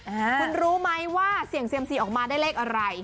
คุณรู้ไหมว่าเสี่ยงเซียมซีออกมาได้เลขอะไร